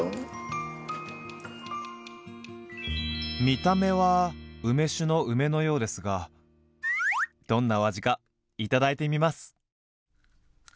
見た目は梅酒の梅のようですがどんなお味か頂いてみます！